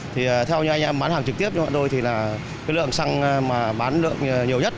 thì theo như anh em bán hàng trực tiếp cho chúng tôi thì lượng săng mà bán lượng nhiều nhất